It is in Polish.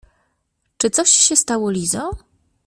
— Czy coś się stało Lizo?